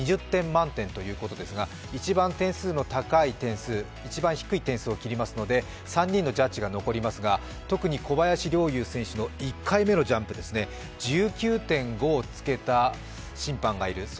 ２０点満点ということですが一番点数の高い点数一番低い点数を切りますので、３人のジャッジが残りますが、特に小林陵侑選手の１回目のジャンプですね１９．５をつけた審判がいる。